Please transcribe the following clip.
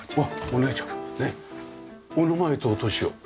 お名前とお年を。